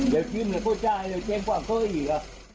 เดี๋ยวยืมเดี๋ยวเขาจ่ายเดี๋ยวแจ้งความเข้าอีก